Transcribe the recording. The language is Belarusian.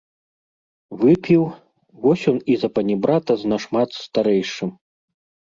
Выпіў, вось ён і запанібрата з нашмат старэйшым.